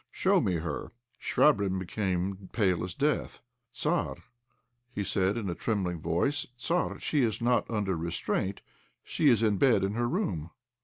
Show me her." Chvabrine became pale as death. "Tzar," he said, in a trembling voice, "Tzar, she is not under restraint; she is in bed in her room."